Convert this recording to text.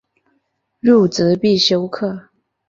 入职必修课